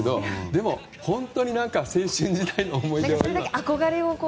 でも本当に青春時代の思い出。